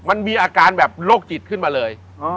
มันมีอาการแบบโรคจิตขึ้นมาเลย